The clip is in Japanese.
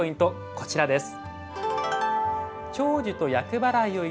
こちらです。